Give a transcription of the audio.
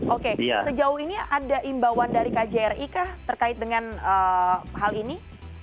oke sejauh ini ada imbauan dari kjri kah terkait dengan hal ini